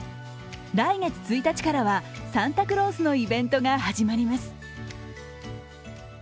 来月１日からはサンタクロースのイベントが始まります。